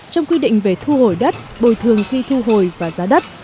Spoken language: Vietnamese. trong quy định về thu hồi đất bồi thường khi thu hồi và giá đất